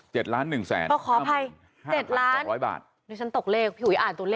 เจ็ดล้านหนึ่งแสนขออภัยเจ็ดล้านหนึ่งแสนตกเลขพี่หุยอ่านตัวเลขให้หน่อย